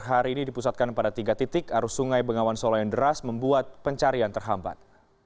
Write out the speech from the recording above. hari ini dipusatkan pada tiga titik arus sungai bengawan solo yang deras membuat pencarian terhambat